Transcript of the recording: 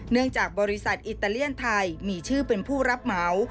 เนื่องจากบริษัทอิตาเลียนไทยมีชื่อเป็นผู้รับเหมา